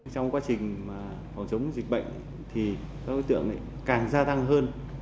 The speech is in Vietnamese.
trong quá trình phòng chống dịch bệnh thì các đối tượng càng gia tăng hơn